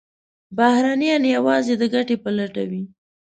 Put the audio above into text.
بهرنیان یوازې د ګټې په لټه وي.